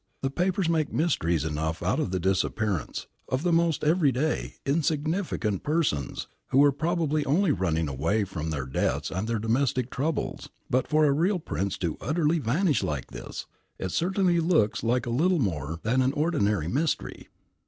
"The papers make mysteries enough out of the disappearance, of the most everyday, insignificant persons, who were probably only running away from their debts or their domestic troubles, but for a real Prince to utterly vanish like this that certainly looks like a little more than an ordinary mystery.